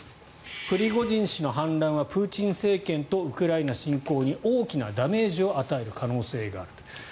プリゴジン氏の反乱はプーチン政権とウクライナ侵攻に大きなダメージを与える可能性がある。